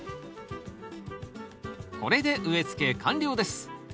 これで植えつけ完了です。